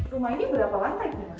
rumah ini berapa lantai